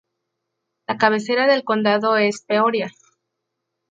La cabecera del condado es Peoria.